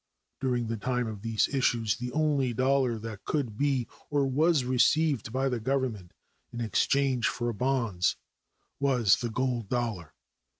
During the time of these issues the only dollar that could be or was received by the Government in exchange for bonds was the gold dollar.